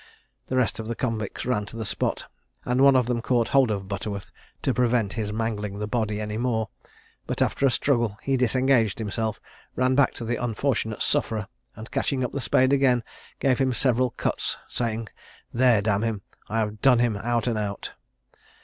The rest of the convicts ran to the spot, and one of them caught hold of Butterworth, to prevent his mangling the body any more; but, after a struggle, he disengaged himself, ran back to the unfortunate sufferer, and, catching up the spade again, gave him several cuts, saying, "There, damn him, I have done him out and out."